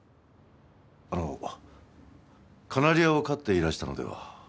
あのカナリアを飼っていらしたのでは？